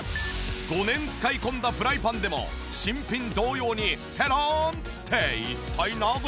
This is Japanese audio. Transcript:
５年使い込んだフライパンでも新品同様にペロンって一体なぜ？